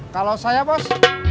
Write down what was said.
kalau saya bos